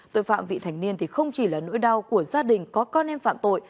tội phạm vị thành niên thì không chỉ là nỗi đau của gia đình có con em phạm tội